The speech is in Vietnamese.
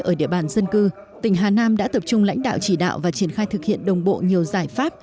ở địa bàn dân cư tỉnh hà nam đã tập trung lãnh đạo chỉ đạo và triển khai thực hiện đồng bộ nhiều giải pháp